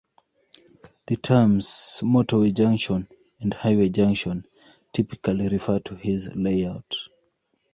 The terms "motorway junction" and "highway junction" typically refer to this layout.